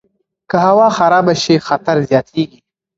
که هوا خرابه شي، خطر زیاتیږي.